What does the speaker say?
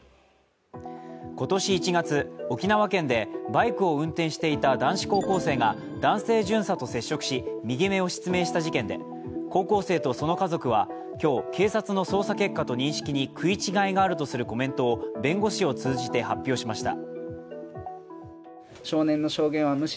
今年１月、沖縄県でバイクを運転していた男子高校生が男性巡査と接触し右目を失明した事件で高校生とその家族は今日、警察の捜査結果と認識に食い違いがあるとするコメントを弁護士を通じて発表しました。